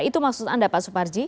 itu maksud anda pak suparji